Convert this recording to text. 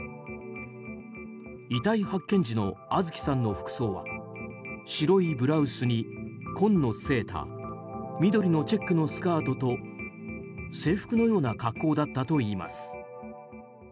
遺体発見時の杏月さんの服装は白いブラウスに紺のセーター緑のチェックのスカートと制服のような格好だったといいます。